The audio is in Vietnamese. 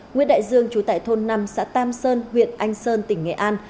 nguyễn đại dương trú tại thôn năm xã tam sơn huyện anh sơn tỉnh nghệ an